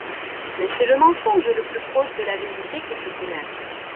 Mais c’est le mensonge le plus proche de la vérité que je connaisse.